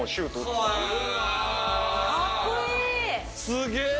すげえ！